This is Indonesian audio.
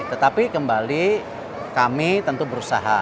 tetapi kembali kami tentu berusaha